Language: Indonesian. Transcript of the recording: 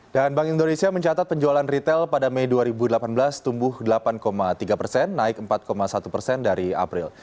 dan bank indonesia mencatat penjualan retail pada mei dua ribu delapan belas tumbuh delapan tiga persen naik empat satu persen dari april